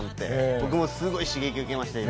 僕もすごい刺激受けました。